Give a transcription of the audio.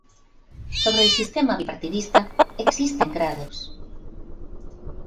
Sobre el sistema bipartidista existen grados.